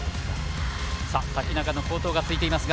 瀧中の好投が続いています。